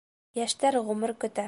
Йәштәр ғүмер көтә